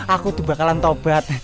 aku tuh bakalan tobat